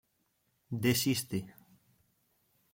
De Sisti